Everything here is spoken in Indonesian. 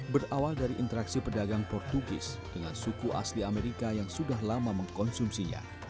berawal dari interaksi pedagang portugis dengan suku asli amerika yang sudah lama mengkonsumsinya